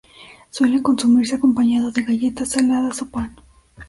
Suelen consumirse acompañado de galletas saladas o pan.